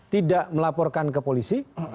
tidak melaporkan ke polisi